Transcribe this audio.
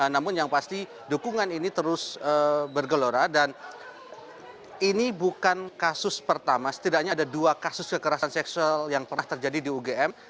namun yang pasti dukungan ini terus bergelora dan ini bukan kasus pertama setidaknya ada dua kasus kekerasan seksual yang pernah terjadi di ugm